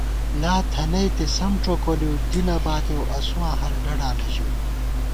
لا تھنَئیتے سم ڄوکولِؤ دی نہ باتېؤ اسُواں ہر ڈَڈانہ ژِؤ